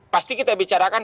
pasti kita bicarakan